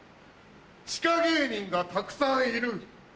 地下芸人がたくさんいる。